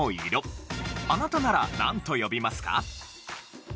あなたならなんと呼びますか？